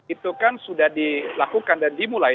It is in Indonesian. itu kan sudah dilakukan dan dimulai